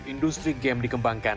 industri game dikembangkan